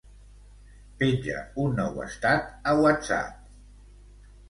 Penja un nou estat a Whatsapp.